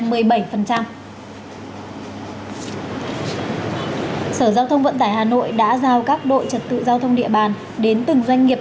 sở giao thông vận tải hà nội đã giao các đội trật tự giao thông địa bàn đến từng doanh nghiệp